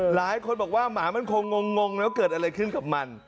หลายคนบอกว่าหมามันคงงนะว่าเกิดอะไรขึ้นกับมัน